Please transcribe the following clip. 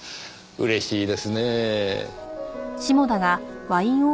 嬉しいですねぇ。